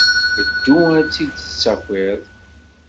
Ddu ad tt-id-tessakiḍ.